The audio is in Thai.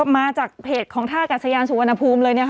มาจากเพจของท่ากัศยานสุวรรณภูมิเลย